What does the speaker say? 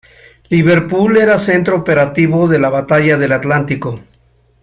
Liverpool era centro operativo de la batalla del Atlántico.